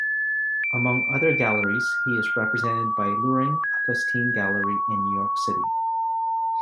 Among other galleries, he is represented by Luhring Augustine Gallery in New York City.